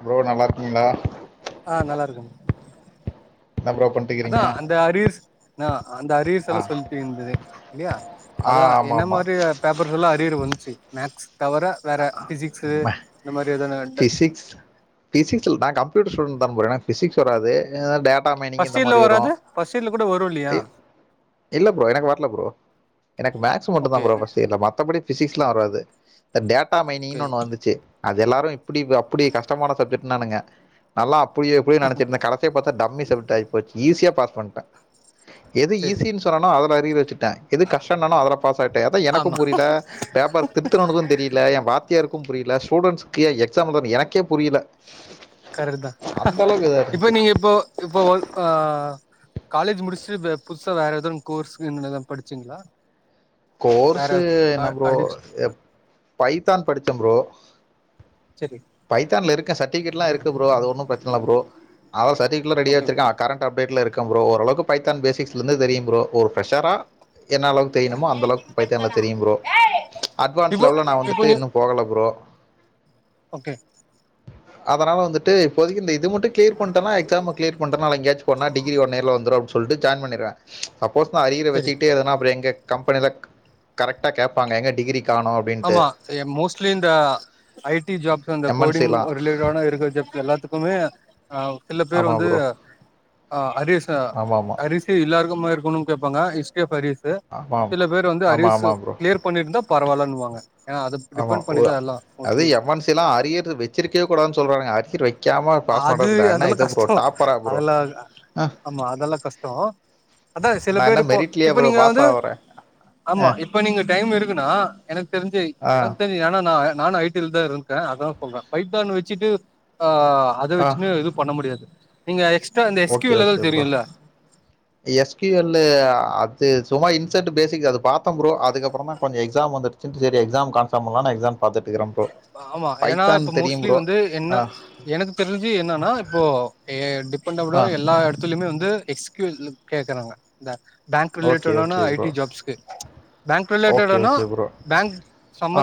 Hello நல்லாருக்கீங்ளா ஆ நல்லாருக்க என்ன ப்ரோ அதா பண்ணிட்டுக்கிறீங்க அந்த அரியர்ஸ் தா அந்த ஆ அரியர்ஸல்லா சொல்ட் இந்தது இல்லயா ஆ அதா ஆமாம் என்ன மாரி பேப்பர்ஸ் எல்லா அர்யர் வந்து ம்சு மேக்ஸ் தவற வேற பிசிக்ஸு இந்த மாரி எதனா ட பிசிக்ஸ் பிசிக்ஸ்ல் நா கம்ப்யூட்ரு ஸ்டூ தா போ பிசிக்ஸ் வராது டேப் டாமைனிங் ஃபர்ஸ்ட் இந்த இயர்ல மாரி வரு வராது ஃபர்ஸ்ட் இயர்ல கூட வரு இல்லையா இ இல்ல ப்ரோ எனக்கு வரல ப்ரோ எனக் மேக்ஸ் மட்டு தா ஓகே ப்ரோ ஃபஸ்ட் மத்தபடி பிசிக்ஸ் லா வராது இந்த டேப் டாமைனிங் ஓகே ஒன்னு வந்துச்சு அது எல்லாரு ப்புடி அப்புடி கஷ்ட்டமான சப்ஜெக்ட்டானுங்க நல்லா எப்புடி அப்புடி நெனச்சிருந்தா கடசியா பாத்தா டம்மி சப்ஜெக்ட் ஆயிபோச்சு ஈஸியா பாஸ் வந்ட்ட எது சரி ஈசின் சொன்னனோ அத இப்ப அரிர் வச்சிட் எது கஷ்ட்டன்னனோ அதுல பாஸ் ஆய்ட்ட அத எனக்கு ஆமா புரிய்ல பேப்பர் திருத்துனவனுக்கு தெரில எ வாத்தியாரு புரிய்ல ஸ்டூடெண்ஸ் ஏ எக் ஸாம்ன்து எனக்கே புரியல கரெட் தா அந்த அளவுக்கு இதாக இப்ப இருந்துச்சு நீங்க இப்போ ஒ இப்போ ஆ காலேஜ் முடிச்சுட்டு புதுசா வேற எதன் கோர்ஸ் கின் எதா படிச்சீங்ளா கோர்ஸு என்ன ப்ரோ பைத்தான் படிச்ச ப்ரோ சரி பைத்தான்லா இருக்க சர்டிபிகேட்லா இருக்கு ப்ரோ அது ஒன்னு ப்ரச்சன இல்ல ப்ரோ அவ சர்டிபிகேட்லா ரெடியா ஓகே வெச்சிறுகா ஓகே கரண்ட்‌ அப்டேட் ல இருக் கம் ப்ரோ ஓரளவுக்கு பைத்தான் பேசிக்ஸ்ல இருந்து தெரியு ப்ரோ ஒரு ப்ரெஷ்ரா என்ன அளவுக் தெரிய்ணுமோ அந் ஒரளவுக்கு பைத்தான்ல தெரியு ப்ரோ அட்வான்ஸ் இப்போ லெவல்ல நா இப்போ வந்துட்டு நீ இன்னு போகல ப்ரோ ஓகே அதனால வந்துட்டு இப்போதக்கு இந் இது மட்டு கிளியர் பன்னிட்டனா எக்ஸாம கிளியர் பன்னிட்டனா எங்கயாச்சு போன டிகிரி ஒன் நேர்ல வந்துரு சொல்லிட்டு ஜாயின் பன்னிருவ சப்போஸ் நா அரியரா சரி வச்சிட்டே எதன அப்போற எங்க கம்பெனில கரெட்டா கேப்பாங்க எங்க டிகிரி காணோம் அப்படின்ட்டு ஆமா மோஸ்ட்லி இந்த ஐ டி ஜாப் இந்த கோடிங் எம்என்சிலாம் ரிலேட்ட இருக்குற ஜப் எல்லாத்துக்குமே ஆ சில பேர் ஆமா வந்து ப்ரோ அரியஸ்ச ஆமா ஆமா அரிஸு எல்லாருக்குமா இருக்கணும்னு கேட்பாங்க ஹிஸ்ட்ரி ஆஃப் அரியஸ்ஸு ஆமா ஆமா சில பேர் வந்து ஆமா அரிஸு ஆமா ப்ரோ கிளியர் பண்ணியிருந்தா பரவாலான்வா ஆமா ஓ அது மோஸ்ட்லி எம் என்சி எல்லா அரியர் வெச்சிருக்கயே கூடாதுனு சொல்றானுங்க சிற்வை அது அதெல்லா கஷ்டோ ப்ரோ அதெல்லா ஆமா அதெல்லா கஷ்டோ அதா சில நான் என்ன பேர் இப்போ மெரிட்லயா இப்ப ப்ரோ நீங்க பாஸ் வந்து ஆகுறேன் ஆமா ஆ இப்ப நீங்க டைம் இருக்குன்னா எனக்கு தெரிஞ்சு ஆ எனக்கு தெரிஞ்சு ஏன்னா நா நானு ஐ டில தா இருந்தே அதா சொல்றே பைதான் வச்சிட்டு ஆ அத ஆ வச்சுன்னு எதுவு பண்ண முடியாது நீங்க எக்ஸ் ஓகே ஓகே ப்ரோ எஸ் கு யூ எல் சும்மா இன்சென்ட் பேஸிக் அது பாத்தன் ப்ரோ அதுக்கப்பறமா கொஞ்ச எக்ஸாம் வந்துடுச்சுனு செரி எக்ஸாம் கன்ஸ பன்லானு எக்ஸாம் பாத்துட்டு இருக்கிறேன் ப்ரோ ஆமா ஏன்னா பைத்தான் இப்ப தெரியும் மோஸ்ட்லி ப்ரோ வந்து ஆ என்ன எனக்கு தெரிஞ்சு என்னன்னா இப்போ எ கொண்ட விட ஆ எல்ல இடத்துலுமே வந்து எஸ்கூஸ் கேக்குறாங்க பேங்க் ஓகே ரிலேட்டான ஓகே ஐ ப்ரோ டி ஜாப்ஸ்கே பேங்க் ஓகே ரிலேட்டானா ஓகே ப்ரோ பேங்க்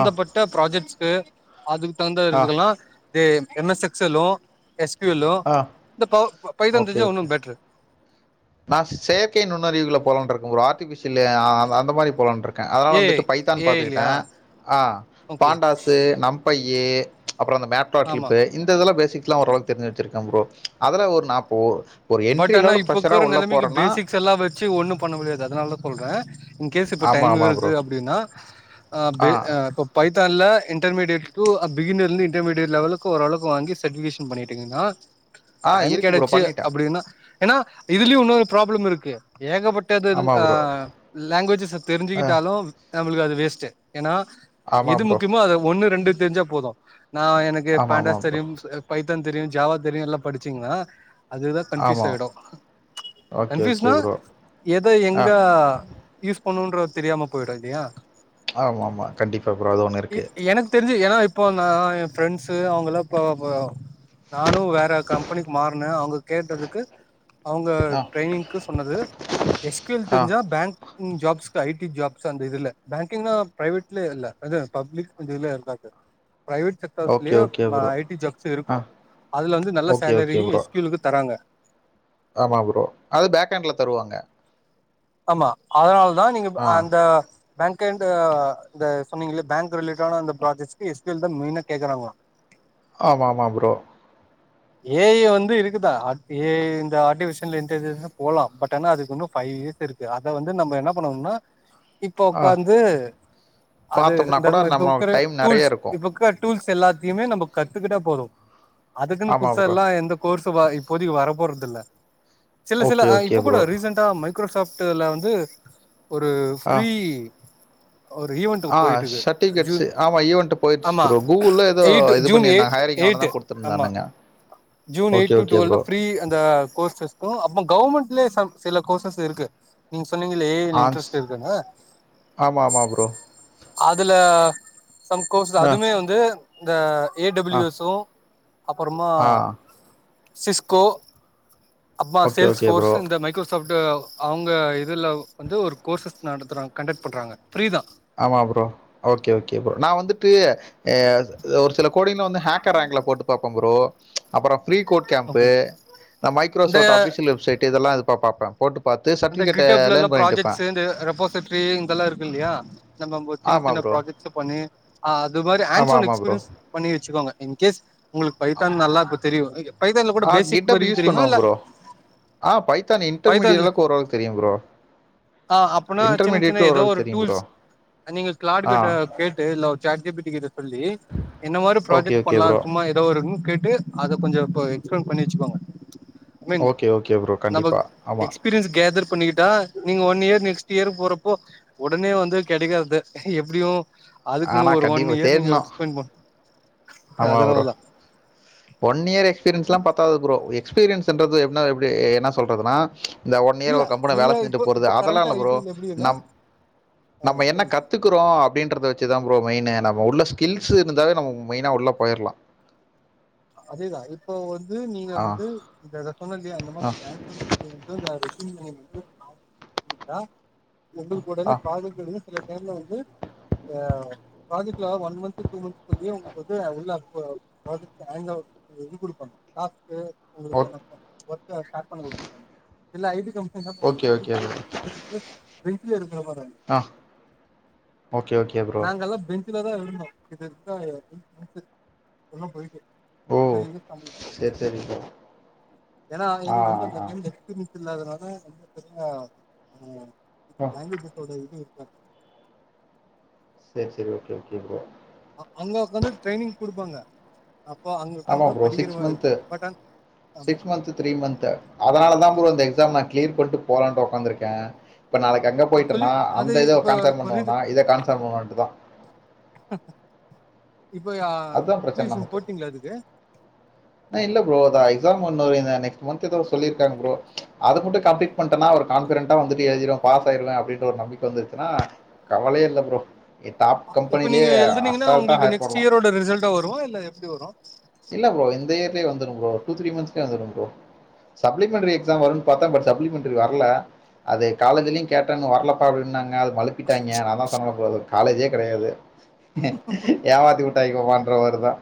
ஆ ப்ராஜெக்ட்ஸ் அதுக்கு தந்தா ஆ இருதுக்கலா தே M S எஸ்ஸ்ல்லு S Q L ஆ இந்த ப பைதான் தெஞ்சா ஒன்னு பெட்டர் நா செயற்கை நுண்ணறிவுகள போல இருக்கு ப்ரோ ஆர் ஆர்டிஃபிசியல் அ அந்த மாதிரி போல இருக் அதனா ஏ ஐ வந்துட்டு பைத்தான் ஏ ஐ பார்த்துக்கிட்டே இல்லையா ஓகே பாண்டாஸ் நம் ப்பை ஏ அப்புறம் அந்த மெட்ரா ஆமா கிளிப் இந்த இதெல்லா பேசிக் லாம் ஓரளவுக்கு தெரிஞ்ச வச்சிருக்கே ப்ரோ அதுல ஒரு நா போ ஒரு என்டரியில இருக்கிற நெலமைக்கு பேசிக்ஸ் எல்லா வச்சு ஒன்னு பண்ண முடியாது அதனால தா சொலறே [inaudible] இன் கேஸ் இப்ப ஆமா டைம் ஆமா ப்ரோ இருக்கு அப்படின்னா ஆ பே அ ப ல்ல இன்டர்மீடியேட்க்கு அ பிகின்ந்து இன்டர்மீடியேட் லெவல்ளுக்கு ஓரளவுக்கு வாங்கி சர்டிபிகேன் பண்ணிட்டீங்கனா ஆ இருக்கு ப்ரோ பண்ணிட்டே ஏன்னா இதுலயு இன்னொரு ப்ராப்ளம் இருக்கு ஏகப்பட்டது ஆமா ஆ ப்ரோ லாங்குவேஜஸை ஆ தெரிஞ்சுக்கிட்டாலு நம்மளுக்கு அது வேஸ்ட்டு ஏன்னா ஆமா எது ப்ரோ முக்கியமோ அது ஒன்னு ரெண்டு தெரிஞ்சா போது நா எனக்கு ஆமா ஆமா ப்ரோ பாண்டாஸ்தரி பைத் [unintelligible] தெரியு ஜாவா தெரியு எல்லா படிச்சீங்களா அதுதா கன்பூஸ் ஆமா ஆயிடு ஓகே ஓகே கன்பூஸ்னா ப்ரோ ஏதோ ஆ எங்க யூஸ் போண்ணுன்ற தெரியாம போயிட இல்லையா ஆமா ஆமா கண்டிப்பா ப்ரோ அது ஒண்ணு இருக்கு எனக்கு தெரிஞ்சு ஏன்னா இப்போ நா ஏ பிரண்ட்ஸ் அவங்கல்லா இப்ப நானு வேற கம்பெனிக்கு மாறனே அவங்க கேட்டதுக்கு அவங்க ஆ ட்ரைனிங்க்கு சொன்னது எஸ்குஸ் ஆ தெரிஞ்சா banking job I T jobs அந்த இதுல பேங்கிங்கா பிரைவேட்லயே இல்ல இது பப்ளிக் இதுல இருந்தாக்கு பிரைவேட் செக்டர்ஸ்லே okay okay bro I T jobs ஆ இருக்கு அதுல வந்து நல்ல ஓகே ஓகே சேலரியு ப்ரோ எஸ்கியூ ங்க ஆமா ப்ரோ அது பேக் எண்ட்ல தருவாங்க ஆமா அதனால் லா நீங்க ஆ அந்த பேங்க் எண்ட் ஆ த சொன்னீங்கள பேங்க் ரிலேட்டடான அந்த ப்ராஜக்ட்ஸ் எஸ்க்யுஎல் தா மெயினா கேக்குறாங்க ஆமா ஆமா ப்ரோ ஏ ஐ வந்து இருக்குதா ஏ ஐ இந்த ஆர்டிபிஷியல் இன்டெலிஜென்ட்ஸ் போலா பட் ஆனா அதுக்கு இன்னு ஃபைவ் இயர்ஸ் இருக்கு அத வந்து நம்ம என்னா பண்ணும்னா இப்போ ஆ ஒக்காந்து அது பார்த்தோம்னா இந்த கூட இப்ப நம்ம இருக்கிற டைம் டூல்ஸ் நெறைய இருக்கும் இப்ப இருக்ற டூல்ஸ் எல்லாத்தையுமே நம்ம கத்துக்கிட்டா போது அதுக்குனு ஆமா புதுசா ப்ரோ எல்லா எந்த கோர்ஸ் [unintelligible] இப்போதைக்கு வர போறது இல்ல சில சில ஓகே ஆ ஓகே இப்ப கூட ப்ரோ ரீசெண்டா ம மைக்ரோசாப்ட்ல வந்து ஒரு ஆ ஃப்ரீ ஒரு ஈவென்ட்டு ஆ போய்ட்டுக்கு ஜூன் சர்டிஃபிகேட்ஸு ஆமா ஈவென்ட் போயிடுச்சு ஆம்மா ப்ரோ கூகுள்ல ஏதோ எய்ட்டு இது ஜூ ன் எய்ட் பண்ணியிருந்தாங்க ஹையரிங் அவன எய்ட்டு தான் ஆம்மா கொடுத்துருந்தானுங்க June okay eight to okay டுவெல்லா ப்ரோ ஃப்ரீ அந்த கோர்ஸஸ்க்கு அமா கவர்மெண்ட்லே சம் சில கோர்சஸ் [unintelligible] இருக்கு நீங்க சொன்னிங்ளே ஏ ஐல ஆன்ஸ் இன்ட்ரெஸ்ட் இருக்குனு ஆமா ஆமா ப்ரோ அதுல சம் கோர்ஸ்டு ஆ அதுமே வந்து இந்த ஏ டபுள் ஆ யூஎஸ் ஓ அப்பறமா ஆ சிஸ்கோ அப்மா ஓகே ஓகே ப்ரோ சேல்ஸ்ஃபோர்ஷூ இந்த மைக்ரோ சாஃப்ட்டு அவங்க இதுல வந்து ஒரு கோர்சஸ் நடத்துறாங் கண்டக்ட் பண்றாங்க ஃப்ரீதா ஆமா ப்ரோ ஓகே ஓகே ப்ரோ நா வந்துட்டு ஏ ஒரு சில கோடிங்லா வந்து ஹேக்கர் ஆங்ல போட்டு பாப்ப ப்ரோ அப்பறம் ஃப்ரீ கோட் கேம்ப்பு ஓகே இந்த மைக்ரோசோட் இந்த அஃபிஷியல் வெப்சைட் இதெல்லா ப பாப்ப அந்த கிர்ட்டப்லலா ப்ராஜெக்ட்ஷூ இந்த ரெபோசெட்ரி இதெல்லா இருக்கு இல்லையா நம்ம ம்போ சின்ன ஆமா சின்ன ப்ரோ. ப்ராெஜெக்ட்ஸ் பண்ணி ம் ஆ அது மாரி ஆமா, அண்ட்சோன் ஆமா ப்ரோ. எக்ஸ்பீரன்ஸ் பண்ணி வச்சுக்கோங்க இன் கேஸ் உங்ளுக்கு பைத்தான் நல்லா தெரியு [unintelligible] ஆ பேசிக் கிட்டப் வரைக்கு யூஸ் தெரியுமா பண்ணுவ இல்ல ப்ரோ ஆ பைத்தான் இன்டர்மீடி பைத்தான்ல அளவுக்கு ஓர்ளவு ஆ அப்பனா சின்ன இன்டர்மீடியட் சின்ன எதோ ஓரளவுக்கு ஒரு தெரியும் ப்ரோ. டூல்ஸ் நீங்க க்ளாடு ஆ கிட்ட கேட்டு இல்ல ஒ சேட் ஜீ பி டி கிட்ட சொல்லி என்ன மாரி ஓகே, ப்ராஜெக்ட் ஓகே பண்லா ப்ரோ. சும்மா எதோ ஒருன் கேட்டு அத கொஞ்சோ [unintelligible] எக்ஸ்ப்ளைன் பண்ணி வச்சுக்கோங்க I mean okay okay bro நம்ம கண்டிப்பா ஆமா எக்ஸ்பீரியன்ஸ் கேதர் பண்ணிக்கிட்டா நீங்க ஒன் இயர் நெக்ஸ்ட் இயர் போறப்போ ஒடனே வந்து கெடைக்காது எப்டியு அதுக்குனு ஆனா ஒரு ஒன் கண்டிப்பா இயர் நீங்க தேடணும். [unintelligible] ஆமா ப்ரோ அதனாலதா ஒன் இயர் எக்ஸ்பீரியன்ஸ் எல்லா பத்தாது ப்ரோ எக்ஸ்பீரியன்ஸ்ன்றத என எப்டி என்ன சொல்றதுனா இந்த ஒன் இயர் இல்ல ஒரு கம்பெனி நீங்க வேல இப்போ செஞ்சுட்டு போறது இப்போ அதெல்லா கரண்டா இல்வ ஐ ப்ரோ டில எப்டின்னா நம் ஆமா நம்ம என்ன சொல்லு சொல்லு கற்றுக்குறோ அப்டின்றத வெச்சு தா ப்ரோ மெயினு நம்ம உள்ள ஸ ஸ்கில்ஸ் இருந்தாலே நம்ம மெய்னா உள்ள போய்றலா அதேதா இப்போ நீங்க வந்து சொன்ன இ அந்த மா பண்ண [unintelligible] தா உங்க ஆ கூடனே ஆ ப்ரஜெக்ட் வந்துனா சில டைம்ல வந்து ஹ ப்ராஜெக்ட்ல ஒன் மந்தத் டூ மந்த் சொள்ளியு உங்களுக்கு வந்து உள்ள ப்ராஜெக்ட் ங்க இ கொடுப்பாங்க காப் ஓக் உங்களுக்கு ஒர்க ஷார் பண்ணி குடுத்துருவாங்க இல்ல ஜ டி கம்ப ஓகே ஓகே [unintelligible] ஆ ஓகே ஓகே ப்ரோ இதுலதா இருந்தோ இது இரு எல்லா போயக்கு ஓ செர் செரி ப்ரோ ஏனா ஆ எங்குவந்த அந்த ஆ டைம் எக்ஸ்பிரியன்ஸ் இல்லாதனால ரொம்ப பெரிய உ ஆ லாங்குவேஜஸ் தோட இது ம் சரி சரி ஓகே ஓகே ப்ரோ அங்க உக்காந்து ட்ரைனிங் கொடுப்பாங்க ஆமா ப்ரோ சிக்ஸ் மந்த்த் ஆமா சிக்ஸ் மந்த்த் த்ரீ மந்த் அதனால தான் ப்ரோ இந்த எக்ஸாம் கிளீர் பண்ட்டு போலான்ட்டு உட்காந்துருக்கே இப்ப நாளைக்கு அங்க சொல்லி போயிிட்டம்ன்னா அது அந்த இதை இப்ப கான்சன் இப்ப இது பண்ணோம்னா இதை கான்சார்ன் பண்ணன்ட்டு தான் [inaudible] அதா பிரச்சன அப்ளிகேஷன் நமக்கு போட்டீங்களா அதுக்கு னு இல்ல ப்ரோ அதா எக்ஸாம் ஒன்னு எழுதன அன்னிக் மந்த் எதோ சொல்லிருக்காங்க ப்ரோ அது மட்டு கம்ப்ளீட் பண்ணிட்டனா ஒரு கான்ஃபிடன்டா வந்துட்டு எழுதிருவே பாஸ் ஆயிருவே அப்டின்ற ஒரு நம்பிக்க வந்துருச்சுனா கவலயே இல்ல ப்ரோ ஏ டாப் இப்ப நீங்க கம்பெனிலயே அசால்ட்டா ஹேக் பண்ணலா வரு இல்ல எப்டி வரு இல்ல ப்ரோ இந்த இயர்லே வந்துரு ப்ரோ டூ த்ரீ மந்த்ஸ்லே வந்துரு ப்ரோ சப்ளிமெண்ட்ரி எக்ஸாம் வரு பாத்தே பட் சப்ளிமெண்ட்ரி வர்ல அது காலேஜிலியு கேட்டே இன்னு வர்லப்பா அப்டின்னாங்க அது மலுப்பிட்டாய்ங்க நா தா சொன்னல்ல ப்ரோ அது ஒரு காலேஜே கெடையாது ஏமாத்தி இதா இவுங்க பண்ற மாரிதா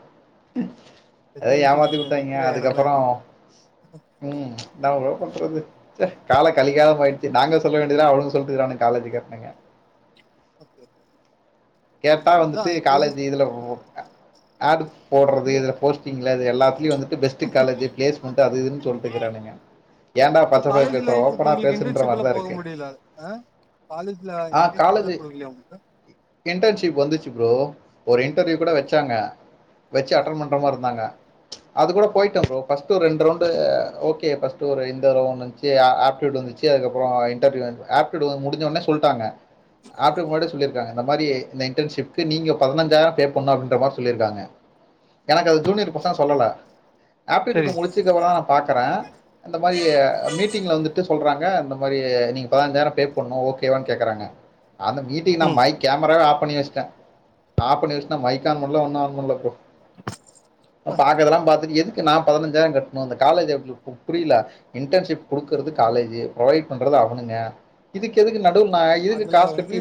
அதே எஜுகேஷன் ஏமாத்தி உட்டாங்க விக்கிற எடமா அதுக்கப்பறோ இது ம் என்னா ப்ரோ பன்றது ச்ச கால கலி காலமாயிடுச்சு நாங்க சொல்ல வேண்டியதுல அவங்க சொல்லிட்டுக்கிறானுக காலேஜு காரங்க ஓகே கேட்டா அதா வந்துட்டு காலேஜ் இப்போதைக்கு இதுல போ ஆடுப் போடுறது இது இதுல போஸ்டிங்கு இல்ல அது எல்லாத்துலயு வந்து பெஸ்ட் காலேஜ்ஜு பிலேஸ்மன்டு அது இதுனு சொல்டுக்கிறானுங்க ஏன்டா இப்ப பச்ச மாரி காலேஜ்ல பேசுறா இப்ப ஓபனா உங்களுக்கு இன்டர்ன்ஷிப் எல்லா பேசனுன்றமாரிதா போக இருக்கு முடியல ஆ காலேஜ்ல ஆ இன்டர்ன்ஷிப் எல்லா காலேஜி குடுக்கலையா உங்களுக்கு இன்டர்ன்ஷிப் வந்துச்சு ப்ரோ ஒரு இன்டர்வியூ கூட ஓகே வச்சாங்க வச்சி அட்டன்பன்ற மார் இருந்தாங்க அது கூட போயிட்ட ப்ரோ ஃபஸ்ட் ஒரு ரெண்டு ரவுன்டு ஓகே ஃபஸ்ட் ஒரு [unintelligible] வன்ச்சி ஆஃப்ட்டிடுயுடு வன்ச்சி அதுக்கப்றோ இன்டர்வீவ் ஆப்டுடூ முடிஞ்சோனே சொல்ட்டாங்க [unintelligible] முன்னாடியே சொல்லிருக்காங்க அந்த மாரி இந்த இன்டர்ன்ஷிப்கு நீங்க பதினஞ்சாயிர பே பண்ணு அப்டின்ற மாரி சொல்லிருக்காங்க எனக்கு அது ஜூனியர் பசங்க சொல்லல சரி ஆப்ட்யுகிட்டு முடிச்சுகப்புறோ பாக்கறே இந்த மாரி மீட்டிங்ல வந்துட்டு சொல்றாங்க இந்த மாரி நீங்க பதினஞ்சாயிர பே பண்ணு ஓகேவான்னு கேக்றாங்க அந்த மீட்டிங் நா ம் மைக் கேமராவே ஆஃப் பண்ணி வச்ட்டே ஆஃப் பண்ணி வச்சுட்டு நா மைக்கு ஆன் பன்னல ஒன்னு ஆன் பன்னல ப்ரோ பாக்கறதெல்லா பாத்துட்டு நா பதினஞ்சாயிம் கட்னு இந்த காலேஜ் புரில இன்டென்ஷிப் குடுக்குறது காலேஜ்சு புரவைட் பண்றது அவங்க அதுக்கு எதுக்கு நம்ம அதுல வந்து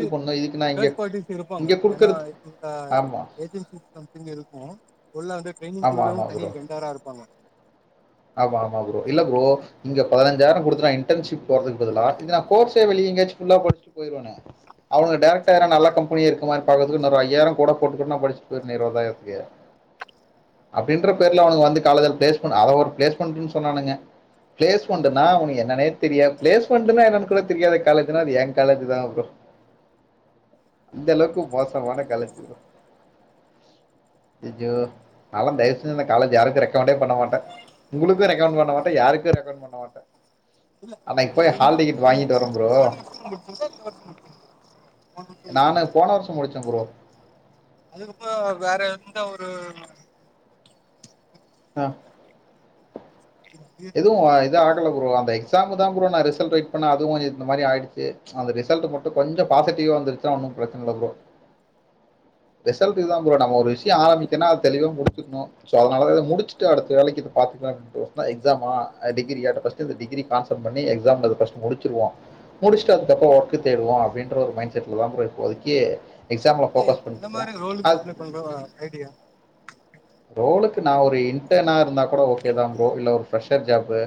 இங்க தேர்ட் பார்ட்டிஸ் இருப்பாங்க இங்க ஏன்னா கொடுக்கறது இந்த ஆமா ஏஜென்சி சம்திங் இருக்கு உள்ள வந்து ட்ரைனிங் ஆமா ஆமா குடுக்குறவங்க தனி ப்ரோ வெண்டாரா இருப்பாங்க ஆமா ஆமா ப்ரோ இல்ல ப்ரோ இங்க பதினஞ்சாயிரம் குடுத்துட்டு இன்டென்ஹிப்க்கு போறதுக்கு பதிலா இது நா கோர்ஸ்ஸே வெளில எங்கயாச்சு ஃபுல்லா படிச்சிட்டு போயிருவனே அவுங்க டேரெக்டட்டா எதுனா நல்ல கம்பெனி மாதி பக்கத்துக்கு இந்த் ஐயாயிரம் கூட குடுக்கணும்னா படிச்சிட்டு போயிருவேனே இருபதாயிரத்துக்கு அப்டின்ற பேர்ல அவனுக்கு வந்து காலஜ்ல பிளேஸ்மெண்ட் அத ஒரு பிளேஸ்மெண்ட்ன்னு சொன்னானுங்க பிளேஸ்மெண்ட்னா அவனுக்கு என்னனே தெரியாது பிளேஸ்மெண்டனா என்னன்ன கூட தெரியாத காலேஜ்னா அது என் காலேஜ் தா ப்ரோ அந்த அளவுக்கு மோசமான காலேஜ் நால்லா தயவு செஞ்சு இந்த காலேஜ் யாருக்கு ரெக்கமெண்டே பண்ண மாட்ட உங்களுக்கு ரெக்கமெண்ட் பண்ண மாட்ட யாருக்கு ரெக்கமெண்ட் பண்ண மாட்ட நீங்க போன வருஷம் முடிச்சிங்களா இந்த வருஷம் நான் போன வருஷம் முடிச்சேன் ப்ரோ அதுக்கப்புறோ வேற எந்த ஒரு ஆ எதுவு இது ஆகல ப்ரோ எக்ஸ் ம்முகாக தா ப்ரோ நா ரிசல்ட் வெய்ட் பண்ண அதுவு இந்த மாரி ஆயிடுச்ச அந்த ரிசல்ட் மட்டு கொஞ்சோ பாசிட்டிவ வந்துச்சன்னா ஒன்னு பிரச்சன இல்ல ப்ரோ ரிசல்ட்க்குதா ப்ரோ நம்ம ஒரு விஷய ஆரம்பிக்கன்னா அத தெளிவா முடிச்சுன்னு சோ அதனால முடிச்சுட்டு அடுத்த வேலைக்கு பாத்துலாம்ப்பட எக்ஸாமா டிகிரியா பர்ஸ்ட் அந்த டிகிரி கான்சல்ட பண்ணி எக்ஸாம் பர்ஸ்ட் முடிச்சிருவோ முடிச்சுட்டு அதுக்கப்புறோ ஒர்க் தேடுவோ அப்டின்ற ஒரு மைண்ட் செய்வதா ப்ரோ இப்போதைக்கு எக்ஸாமில் அத ஃபோக்கஸ் பண்ணிட்டு எந்த இருக்கிறேன் மாரி ரோலுக்கு அது அப்ளே பண்ற மாரி ஐடியா ரோலுக்கு நா ஒரு இன்டர்னா இருந்தா கூட ஓகேதா ப்ரோ இல்ல ஒரு பிரரெஷர் ஜாப்பு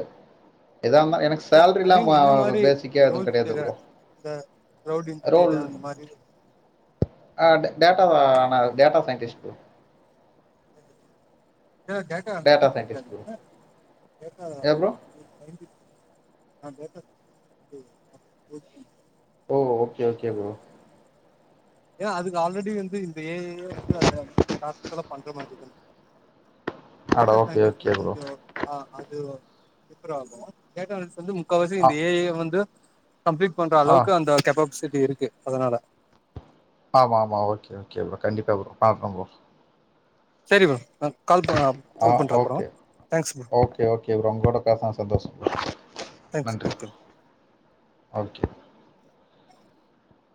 எதா இருந்த எனக்கு இல்ல ஐ சேலரில்லா மீன் எந்த மாரி பேசிக்கா எது ரோல்ஸ் கெடையாது கேக்குறே ப்ரோ இந்த கிளவுட் ரோ இன்ஜினியர் அந்த மாரி ஏ ஆ data data scientist data data analytics scientist எடுக்காதீங்க டேட்டா ஏ ப்ரோ சயின்டிஸ்ட் [unintelligible] ஓ ஓகே ஓகே ப்ரோ ஏன்னா அதுக்கு ஆல்ரெடி வந்து இந்த ஏ ஐ வந்து அந்த அந்த டாஸ்குல்லா பண்ற மாரி தா அட டேட்டா ஓகே சைன்டிஸ்ட்ன்னா ஓகே ப்ரோ கொஞ்சோ ஆ அது விப்ரோ டேட்டா அனாலிஸ் முக்காவாசி ஆ இந்த ஏ ஐ வந்து கம்ப்ளீட பண்ற ஆ அளவுக்கு அந்த கேப்பாசிட்டி இருக்கு அதனால ஆமா ஆமா ஓகே ஓகே ப்ரோ கண்டிப்பா ப்ரோ பண்ற ப்ரோ செரி ப்ரோ நா கால் ப ஆ கால் பண்ற அப்றோ okay thanks bro okay okay bro உங்கோட பேசுனது சந்தோஷம் தேங்க்ஸ் நன்றி ஓகே ஓகே